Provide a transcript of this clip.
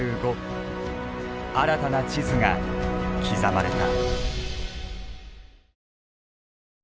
新たな地図が刻まれた。